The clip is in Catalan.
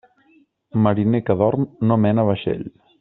Mariner que dorm no mena vaixell.